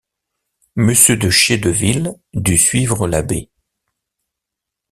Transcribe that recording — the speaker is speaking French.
Monsieur de Chédeville dut suivre l’abbé.